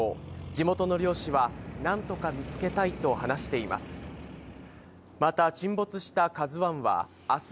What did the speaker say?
地元の漁師はなんとか見つけたいと話しています。